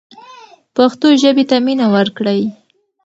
پښتو ژبې ته مینه ورکړئ.